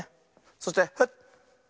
そしてフッ。